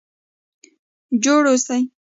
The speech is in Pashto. جوړ اوسئ؟